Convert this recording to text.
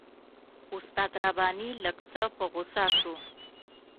استاد رباني لږ څه په غوسه شو.